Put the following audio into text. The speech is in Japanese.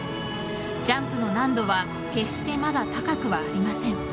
ジャンプの難度は決してまだ高くはありません。